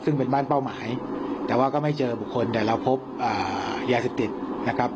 ซึ่งเป็นบ้านเป้าหมายแต่ว่าก็ไม่เจอบุคคลแต่เราพบยาเสพติดนะครับ